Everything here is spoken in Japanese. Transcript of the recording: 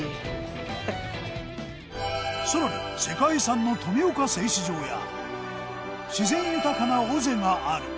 さらに世界遺産の富岡製糸場や自然豊かな尾瀬がある。